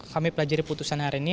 kami pelajari putusan hari ini